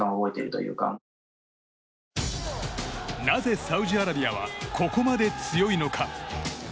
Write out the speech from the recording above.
なぜ、サウジアラビアはここまで強いのか。